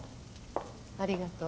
ありがとう。